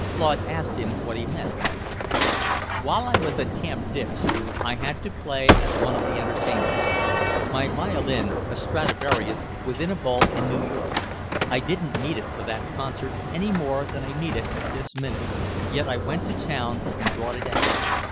Claude asked him what he meant. "While I was at Camp Dix, I had to play at one of the entertainments. My violin, a Stradivarius, was in a vault in New York. I didn't need it for that concert, any more than I need it at this minute; yet I went to town and brought it out.